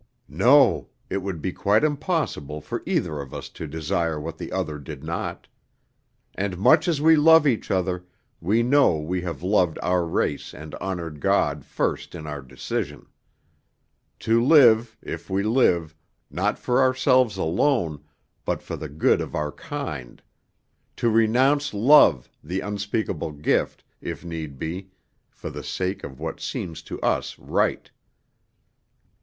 "No, it would be quite impossible for either of us to desire what the other did not. And much as we love each other, we will know we have loved our race and honored God first in our decision. To live, if we live, not for ourselves alone, but for the good of our kind; to renounce love, the unspeakable gift, if need be, for the sake of what seems to us right."